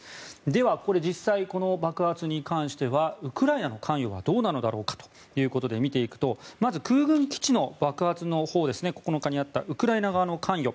では、実際この爆発に関してはウクライナの関与はどうなのだろうかということで見ていくとまず空軍基地の爆発のほうですね９日にあったウクライナ側の関与。